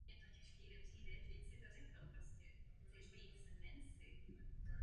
Následně se rodina několikrát stěhovala mezi Spojenými státy a její rodnou Kanadou.